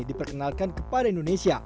diperkenalkan kepada indonesia